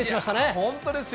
本当ですよ。